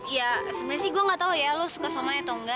ya sebenernya sih gue nggak tahu ya lo suka sama saya atau nggak